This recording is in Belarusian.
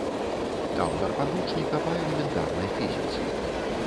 Аўтар падручніка па элементарнай фізіцы.